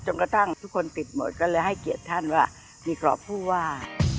กระทั่งทุกคนปิดหมดก็เลยให้เกียรติท่านว่ามีกรอบผู้ว่า